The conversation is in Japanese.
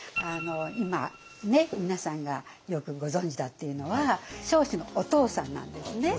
今皆さんがよくご存じだっていうのは彰子のお父さんなんですね。